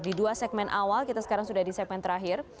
di dua segmen awal kita sekarang sudah di segmen terakhir